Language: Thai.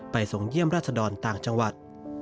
ส่งเยี่ยมราชดรต่างจังหวัด